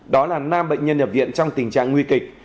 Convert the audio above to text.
đó là năm bệnh nhân nhập viện trong tình trạng nguy kịch